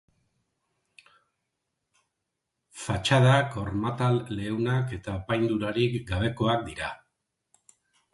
Fatxadak hormatal leunak eta apaindurarik gabekoak dira.